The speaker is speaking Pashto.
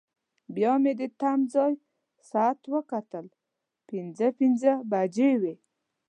بیا مې د تمځای ساعت وکتل، پنځه پنځه بجې وې.